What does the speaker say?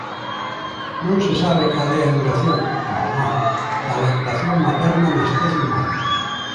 Non se sabe cal é a duración "normal" da lactación materna na especie humana.